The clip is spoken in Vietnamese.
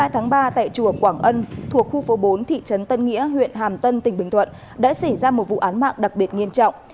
hai mươi tháng ba tại chùa quảng ân thuộc khu phố bốn thị trấn tân nghĩa huyện hàm tân tỉnh bình thuận đã xảy ra một vụ án mạng đặc biệt nghiêm trọng